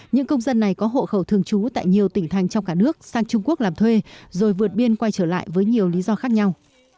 những công dân này có hộ khẩu thường trú tại nhiều tỉnh thành trong cả nước sang trung quốc làm thuê rồi vượt biên quay trở lại với nhiều lý do khác nhau